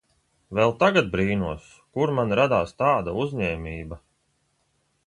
Vēl tagad brīnos, kur man radās tāda uzņēmība.